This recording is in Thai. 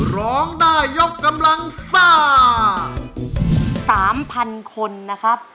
ร้องได้ยกกำลังสร้างสามพันคนนะครับ